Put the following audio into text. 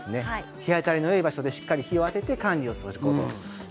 日当たりのいい場所でしっかり日をあてて管理をしてください。